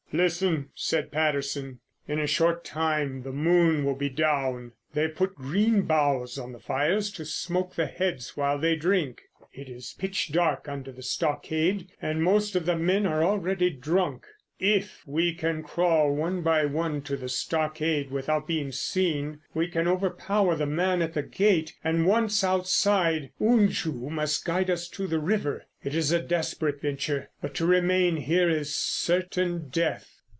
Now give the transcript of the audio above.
"Listen," said Patterson, "in a short time the moon will be down. They have put green boughs on the fires to smoke the heads while they drink. It is pitch dark under the stockade, and most of the men are already drunk. If we can crawl one by one to the stockade, without being seen, we can overpower the man at the gate, and, once outside, Unju must guide us to the river. It is a desperate venture, but to remain here is certain death."